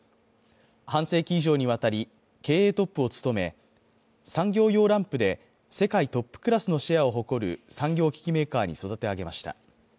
半世紀以上にわたり経営トップを務め産業用ランプで世界トップクラスのシェアを誇る産業機器メーカーに育て上げました。